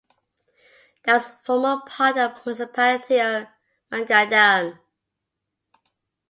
That was former part of Municipality of Mangaldan.